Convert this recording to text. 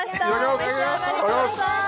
お召し上がりください